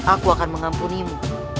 aku akan mengampunimu